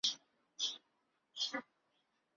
隐棘真缘吸虫为棘口科真缘属的动物。